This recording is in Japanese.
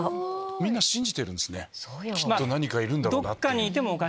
みんな信じてるんすねきっと何かいるんだろうなって。